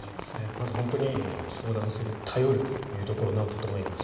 まず本当に相談する頼るというところなんだと思います。